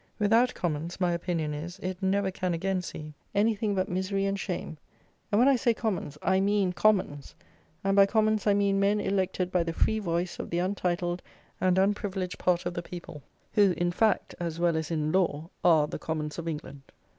Without Commons, my opinion is, it never can again see anything but misery and shame; and when I say Commons I mean Commons; and by Commons, I mean men elected by the free voice of the untitled and unprivileged part of the people, who, in fact as well as in law, are the Commons of England.